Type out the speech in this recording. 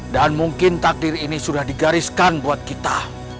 dan mungkin takdir ini sudah digariskan buat kita